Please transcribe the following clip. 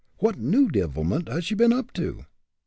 What new devilment has she been up to?"